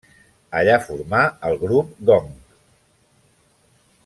Allà formà el grup Gong.